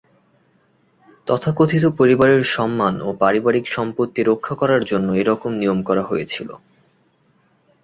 তথাকথিত পরিবারের সম্মান ও পারিবারিক সম্পত্তি রক্ষা করার জন্য এরকম নিয়ম করা হয়েছিল।